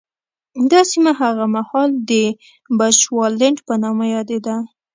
دا سیمه هغه مهال د بچوالېنډ په نامه یادېده.